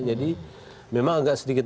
jadi memang agak sedikit